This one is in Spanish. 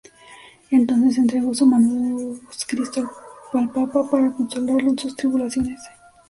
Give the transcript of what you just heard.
Entonces entregó su manuscrito al Papa para consolarlo en sus tribulaciones.